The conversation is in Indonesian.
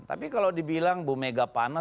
tapi kalau dibilang bumega panas